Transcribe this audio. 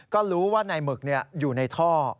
ก็รู้ว่านายหมึกอยู่ในท่อ